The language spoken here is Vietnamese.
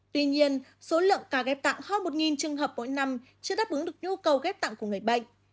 tuy nhiên số lượng ca ghép tặng hơn một trường hợp mỗi năm chưa đáp ứng được nhu cầu ghép tạng của người bệnh